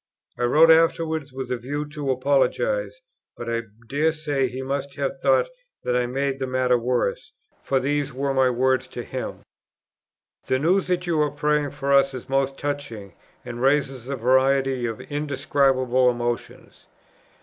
I wrote afterwards with a view to apologize, but I dare say he must have thought that I made the matter worse, for these were my words to him: "The news that you are praying for us is most touching, and raises a variety of indescribable emotions....